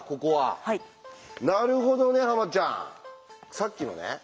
さっきのね